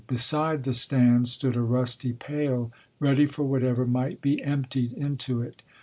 Beside the stand stood a rusty pail, ready for whatever might be emptied into it.